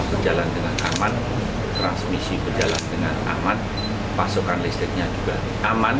berjalan dengan aman transmisi berjalan dengan aman pasokan listriknya juga aman